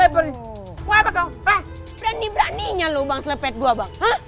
berani beraninya lubang sepet gua bang